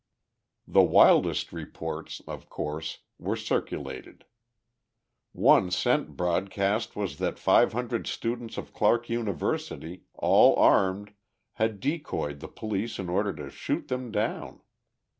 The wildest reports, of course, were circulated. One sent broadcast was that five hundred students of Clark University, all armed, had decoyed the police in order to shoot them down.